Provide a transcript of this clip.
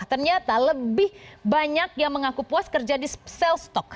ternyata lebih banyak yang mengaku puas kerja di sell stok